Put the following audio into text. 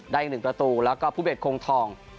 ได้๑กระตูแล้วก็ผู้เบ็ดคงทอง